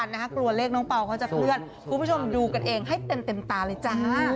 เรื่องเรียกน้องเป๋าเขาจะเพื่อนคุณผู้ชมดูกันเองให้เต็มตาเลยจ๊ะ